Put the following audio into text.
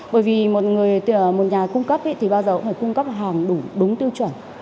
bởi vì một nhà cung cấp thì bao giờ cũng phải cung cấp hàng đủ đúng tiêu chuẩn